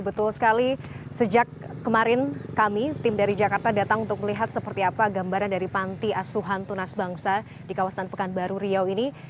betul sekali sejak kemarin kami tim dari jakarta datang untuk melihat seperti apa gambaran dari panti asuhan tunas bangsa di kawasan pekanbaru riau ini